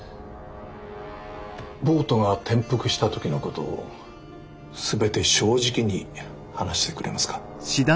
ボートが転覆した時のことを全て正直に話してくれますか？